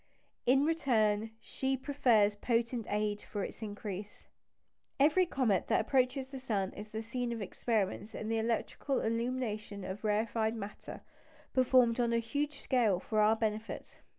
In return, she proffers potent aid for its increase. Every comet that approaches the sun is the scene of experiments in the electrical illumination of rarefied matter, performed on a huge scale for our benefit.